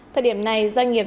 thời điểm này doanh nghiệp